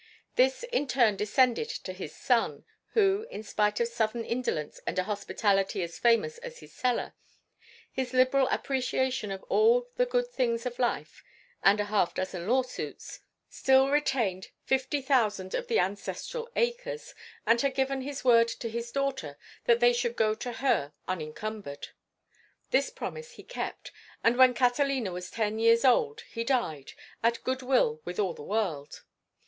This in turn descended to his son, who, in spite of Southern indolence and a hospitality as famous as his cellar, his liberal appreciation of all the good things of life, and a half dozen lawsuits, still retained fifty thousand of the ancestral acres, and had given his word to his daughter that they should go to her unencumbered. This promise he kept, and when Catalina was ten years old he died, at good will with all the world.